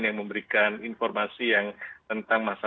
yang memberikan informasi yang